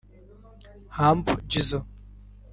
Humble Jizzo